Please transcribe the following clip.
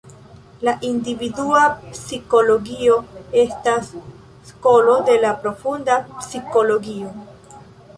La individua psikologio estas skolo de da profunda psikologio.